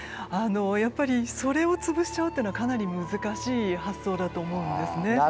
やっぱりそれを潰しちゃうっていうのはかなり難しい発想だと思うんですね。